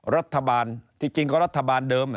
รัฐบาลที่จริงก็รัฐบาลเดิม